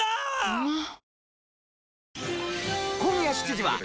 うまっ！！